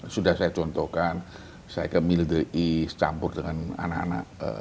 sudah saya contohkan saya ke milda east campur dengan anak anak